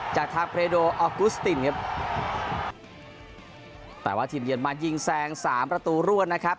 จากทางเรโดออกุสตินครับแต่ว่าทีมเยือนมายิงแซงสามประตูรวดนะครับ